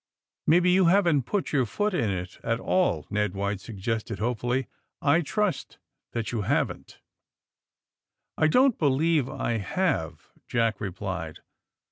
'^^^ Maybe you haven't put your foot in it at all," Ned ^Hiite suggested hopefully. ^*I trust that you haven't.'' ^'I don't believe I have," Jack replied.